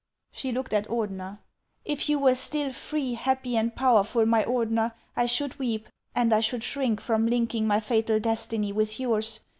She looked at Ordener. "If you were still free, happy, and powerful, my Or dener, I should weep, and I should shrink from linking 468 HANS OF ICELAND. my fatal destiny with yours.